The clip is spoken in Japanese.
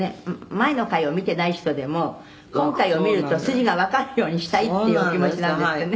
前の回を見てない人でも今回を見ると筋がわかるようにしたいっていうお気持ちなんですってね」